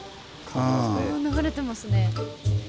流れてますね。